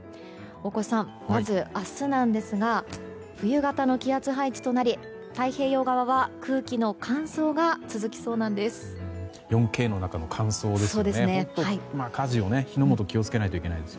大越さん、まず明日なんですが冬型の気圧配置となり太平洋側は空気の乾燥が続きそうなんです。